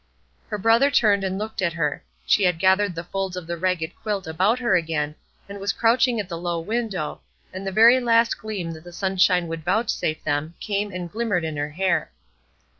Her brother turned and looked at her. She had gathered the folds of the ragged quilt about her again, and was crouching at the low window, and the very last gleam that the sunshine would vouchsafe them came and glimmered in her hair.